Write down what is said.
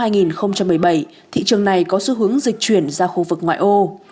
năm hai nghìn một mươi bảy thị trường này có xu hướng dịch chuyển ra khu vực ngoại ô